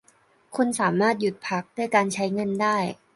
คุณสามารถหยุดพักด้วยการใช้เงินได้